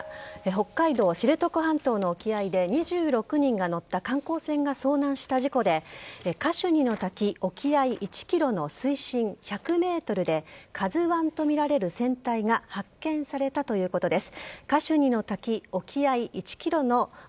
北海道知床半島の沖合で２６人が乗った観光船が遭難した事故でカシュニの滝、沖合１ｋｍの水深１００ｍで「ＫＡＺＵ１」とみられる船体が発見されたということです。